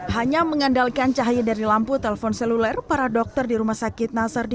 hanya mengandalkan cahaya dari lampu telpon seluler para dokter di rumah sakit nasar di